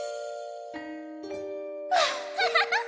ハハハハ。